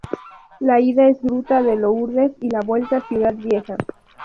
La ida es Gruta de Lourdes y la vuelta Ciudad Vieja.